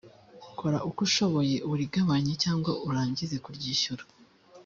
kora uko ushoboye urigabanye cyangwa urangize kuryishyura